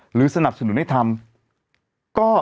สนับสนุนให้ทำ